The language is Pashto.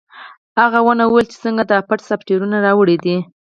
هغه ونه ویل چې څنګه یې دا پټ سافټویر راوړی دی